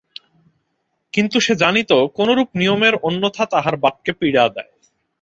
কিন্তু সে জানিত, কোনোরূপ নিয়মের অন্যথা তাহার বাপকে পীড়া দেয়।